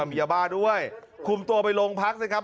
มียาบ้าด้วยคุมตัวไปโรงพักสิครับ